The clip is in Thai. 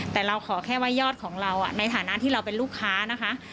แต่เราขอแค่ว่ายอดของเราในฐานะที่เราเป็นลูกค้านะคะ